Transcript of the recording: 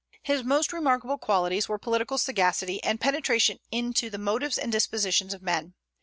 His most remarkable qualities were political sagacity, and penetration into the motives and dispositions of men.